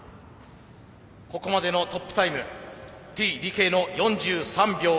ここまでのトップタイムＴ・ＤＫの４３秒４１。